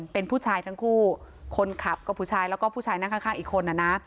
เป็นผู้ชายทั้งคู่คนขับก็ผู้ชายแล้วก็ผู้ชายนั่งข้างอีกคนนะนะ